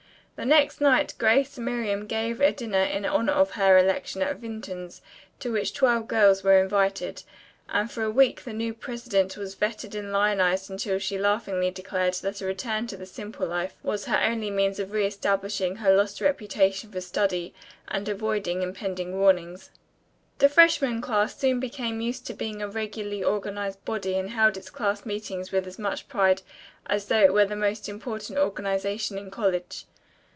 The next night Grace and Miriam gave a dinner in honor of her election at Vinton's, to which twelve girls were invited, and for a week the new president was feted and lionized until she laughingly declared that a return to the simple life was her only means of re establishing her lost reputation for study and avoiding impending warnings. The class of 19 soon became used to being a regularly organized body and held its class meetings with as much pride as though it were the most important organization in college.